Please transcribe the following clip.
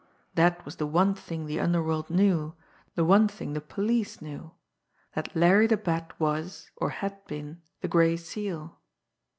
That was the one thing the underworld knew, the one thing the police knew that Larry the Bat was, or had been, the Gray Seal.